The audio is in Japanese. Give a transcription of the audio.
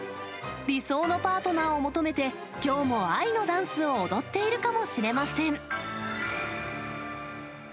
理想のパートナーを求めて、きょうも愛のダンスを踊っているかもしれません。